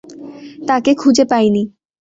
তাকে খুঁজে পাই নি।